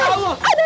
ada neng aida